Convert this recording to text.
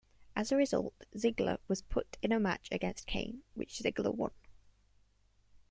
As a result, Ziggler was put in a match against Kane, which Ziggler won.